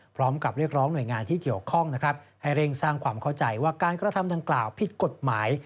พร้อมกับเรียกร้องหน่วยงานที่เกี่ยวข้องนะครับให้เร่งสร้างความเข้าใจว่าการกระทำดังกล่าวผิดกฎหมาย